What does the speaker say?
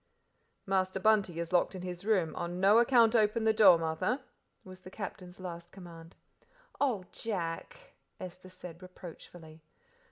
"Master Bunty is locked in his room; on no account open the door, Martha," was the Captain's last command. "Oh, Jack!" Esther said reproachfully.